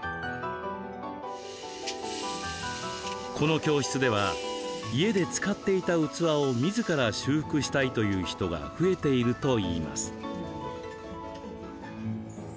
この教室では家で使っていた器をみずから修復したいという人が増えているといいます。